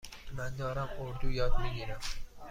من دارم اردو یاد می گیرم.